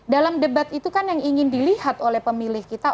dalam debat itu kan yang ingin dilihat oleh pemilih kita